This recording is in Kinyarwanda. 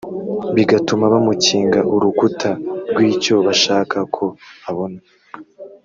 Bigatuma bamukinga urukuta rw’icyo bashaka ko abona